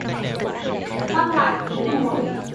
Bác lại cứ đùa